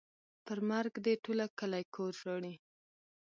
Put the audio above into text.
پر مرګ دې ټوله کلي کور ژاړي.